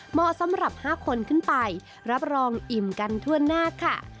เหมาะสำหรับ๕คนขึ้นไปรับรองอิ่มกันทั่วหน้าค่ะ